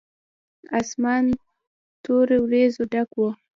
اسمان تورو وريځو ډک و.